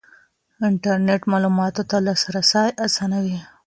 انټرنېټ معلوماتو ته لاسرسی اسانوي.